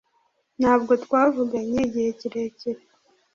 ntabwo twavuganye igihe kirekire